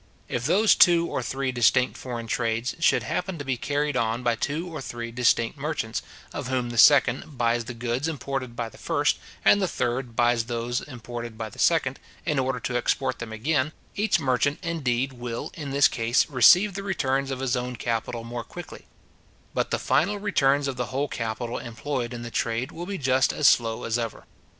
If those two or three distinct foreign trades should happen to be carried on by two or three distinct merchants, of whom the second buys the goods imported by the first, and the third buys those imported by the second, in order to export them again, each merchant, indeed, will, in this case, receive the returns of his own capital more quickly; but the final returns of the whole capital employed in the trade will be just as slow as ever.